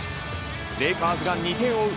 レイカーズが２点を追う